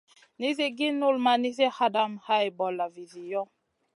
Nizi gi null ma nizi hadamèh hay bolla vizi yoh.